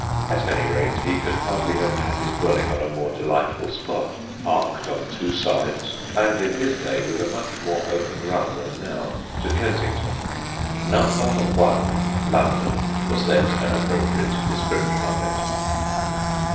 At anyrate he could hardly have had his dwelling on a more delightful spot, parked on two sides, and in his day with a much more open run than now to Kensington. 1 Number 1, London/ was then an appropriate description of it.